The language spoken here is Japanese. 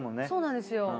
そうなんですよ。